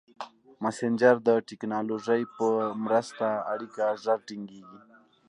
مسېنجر د ټکنالوژۍ په مرسته اړیکه ژر ټینګېږي.